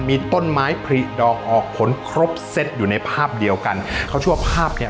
มีต้นไม้ผลิดอกออกผลครบเซตอยู่ในภาพเดียวกันเขาเชื่อว่าภาพเนี้ย